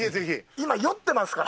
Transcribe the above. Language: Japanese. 今、酔ってますから。